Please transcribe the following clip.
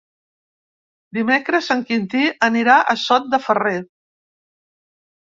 Dimecres en Quintí anirà a Sot de Ferrer.